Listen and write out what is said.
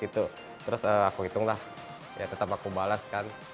terus aku hitung lah ya tetap aku balas kan